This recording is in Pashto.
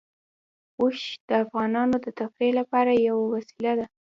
اوښ د افغانانو د تفریح لپاره یوه وسیله ده.